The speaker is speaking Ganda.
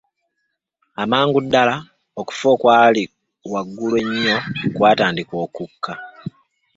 Amangu ddala, okufa okwali waggulu ennyo kwatandika okukka.